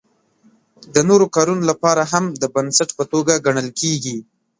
د نورو کارونو لپاره هم د بنسټ په توګه ګڼل کیږي.